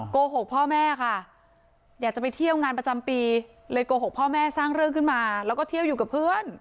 โกหกพ่อแม่ค่ะอยากจะไปเที่ยวงานประจำปีเลยโกหกพ่อแม่สร้างเรื่องขึ้นมาแล้วก็เที่ยวอยู่กับเพื่อน